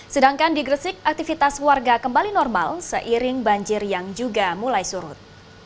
sedangkan di gresik aktivitas warga kembali normal seiring banjir yang juga mulai surut